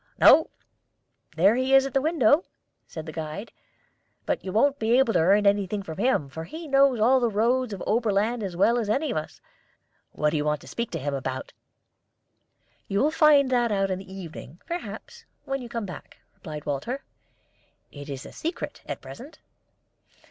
"No; there he is at the window," said the guide. "But you won't be able to earn anything from him, for he knows all the roads of the Oberland as well as any of us. What do you want to speak to him about?" "You will find that out in the evening, perhaps, when you come back," replied Walter. "It is a secret at present."